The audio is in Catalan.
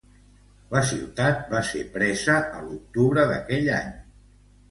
La ciutat va ser presa a l'octubre d'aquell any.